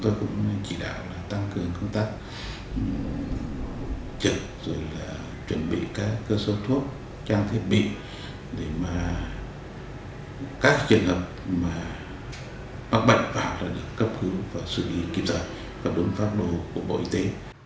thì chúng tôi cũng chỉ đạo là tăng cường công tác trực rồi là chuẩn bị các cơ sở thuốc trang thiết bị để mà các trường hợp mà bắt bệnh vào là được cấp cứu và xử lý kiểm soát và đúng pháp đồ của bộ y tế